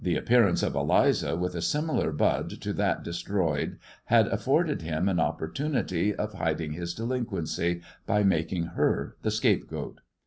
appearance of Eliza with a similar bud to that destroyed had afforded him an opportunity of hiding his delinquency, by making her the scapegoat.